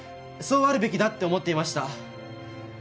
そうあるべきだって思っていました。